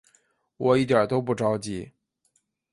我一点都不着急